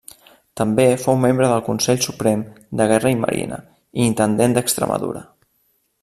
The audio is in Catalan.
També fou membre del Consell Suprem de Guerra i Marina, i Intendent d'Extremadura.